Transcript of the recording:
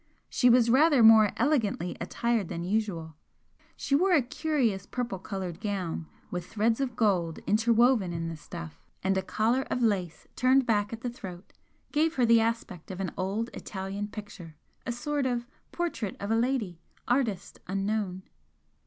She was rather more elegantly attired than usual she wore a curious purple coloured gown with threads of gold interwoven in the stuff, and a collar of lace turned back at the throat gave her the aspect of an old Italian picture a sort of 'Portrait of a lady, Artist unknown.'